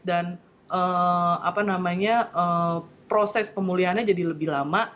dan proses pemulihannya jadi lebih lama